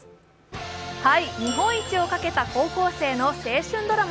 日本一をかけた高校生の青春ドラマ。